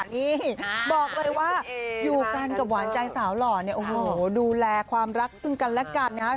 นี่บอกเลยว่าอยู่กันกับหวานใจสาวหล่อเนี่ยโอ้โหดูแลความรักซึ่งกันและกันนะครับ